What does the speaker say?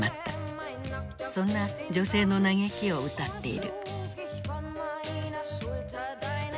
そんな女性の嘆きを歌っている。